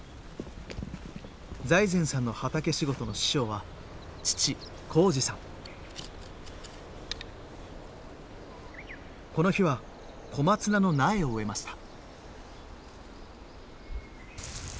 財前さんの畑仕事の師匠はこの日は小松菜の苗を植えました。